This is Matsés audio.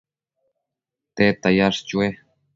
tedta yash chue?